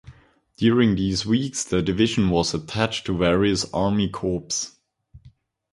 During these weeks the division was attached to various army corps.